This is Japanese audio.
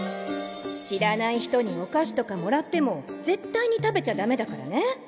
知らない人にお菓子とかもらっても絶対に食べちゃダメだからね。